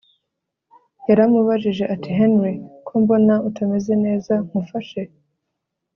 yaramubajije ati Henry kombona utameze neza nkufashe